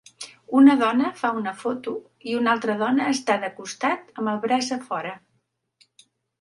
Una dona fa una foto i una altra dona està de costat amb el braç a fora